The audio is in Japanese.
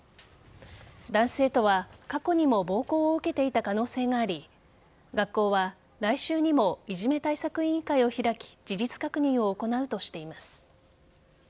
男子生徒は過去にも暴行を受けていた可能性があり学校は来週にもいじめ対策委員会を開き事実確認を行うとしています。